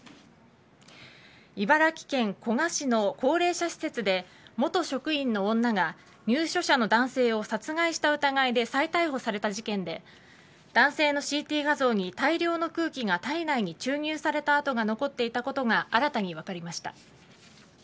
茨城県古河市の高齢者施設で元職員の女が入所者の男性を殺害した疑いで再逮捕された事件で男性のＣＴ画像に大量の空気が体内に注入された痕が残っていたことが新たに分かりました。